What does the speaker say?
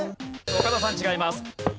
岡田さん違います。